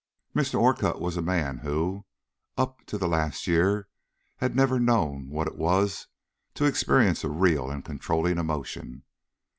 ] Mr. Orcutt was a man who, up to the last year, had never known what it was to experience a real and controlling emotion.